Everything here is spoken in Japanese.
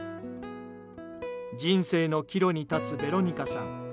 人生の岐路に立つヴェロニカさん。